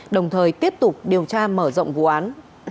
đồng thời tiếp tục điều tra mở rộng vụ án